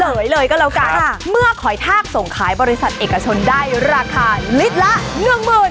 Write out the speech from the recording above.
เลยก็แล้วกันเมื่อหอยทากส่งขายบริษัทเอกชนได้ราคาลิตรละหนึ่งหมื่น